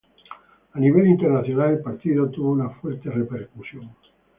A nivel internacional, el partido tuvo una fuerte repercusión.